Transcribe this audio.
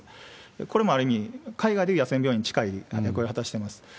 これもある意味、海外でいう野戦病院に近い役割を果たしてます。